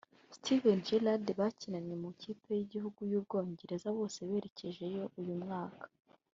Steven Gerrard bakinanye mu ikipe y’igihugu y’u Bwongereza bose berekejeyo uyu mwaka